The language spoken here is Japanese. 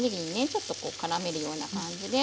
ちょっとこうからめるような感じで。